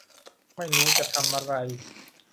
ไม่รู้จะทำอะไร